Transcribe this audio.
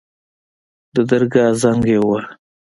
د درګاه زنګ يې وواهه.